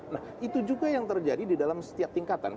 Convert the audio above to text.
nah itu juga yang terjadi di dalam setiap tingkatan